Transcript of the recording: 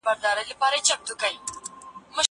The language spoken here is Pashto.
زه پرون ليکنه کوم؟!